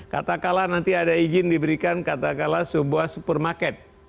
katakanlah nanti ada izin diberikan katakanlah sebuah supermarket